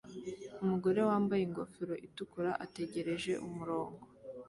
Umugore wambaye ingofero itukura ategereje umurongo